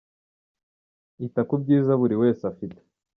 Ita ku byiza buri wese afite